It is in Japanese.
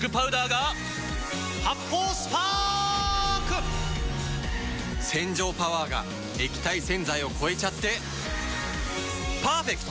発泡スパーク‼洗浄パワーが液体洗剤を超えちゃってパーフェクト！